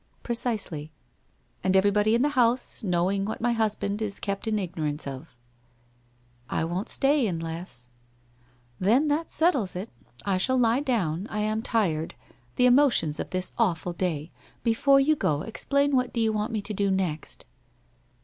WHITE ROSE OF WEARY LEAF 205 * Precisely.' * And everybody in the house knowing what my hus band is kept in ignorance of.' ' I won't stay, unless.' ' Then that settles it. I shall lie down. I am tired — the emotions of this awful day — before you go explain what do you want me to do next